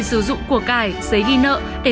sử dụng của cải giấy ghi nợ để